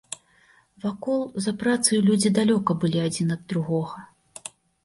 Вакол, за працаю людзі далёка былі адзін ад другога.